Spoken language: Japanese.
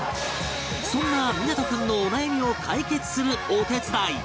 そんな湊君のお悩みを解決するお手伝い！